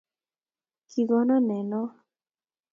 Kikonon ne noe?